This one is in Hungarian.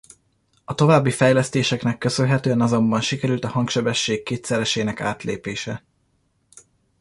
A további fejlesztéseknek köszönhetően azonban sikerült a hangsebesség kétszeresének átlépése.